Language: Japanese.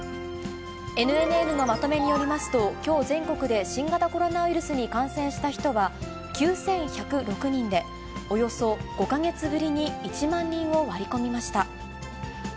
ＮＮＮのまとめによりますと、きょう全国で新型コロナウイルスに感染した人は９１０６人で、およそ５か月ぶりに１万人を割り込みました。